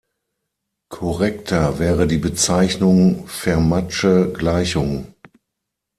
Korrekter wäre die Bezeichnung "Fermatsche Gleichung".